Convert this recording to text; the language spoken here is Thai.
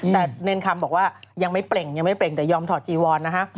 แต่เน้นคำบอกว่ายังไม่เปล่งแต่ยอมถอดจีวรนะคะ